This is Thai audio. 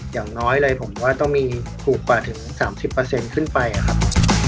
อย่างน้อยเลยผมว่าต้องมีถูกกว่าถึง๓๐ขึ้นไปครับ